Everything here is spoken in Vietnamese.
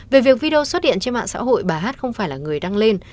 về việc video xuất điện trên mạng xã hội bà hát không phải là người đăng lên